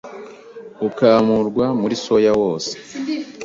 ukamurwa muri soya wose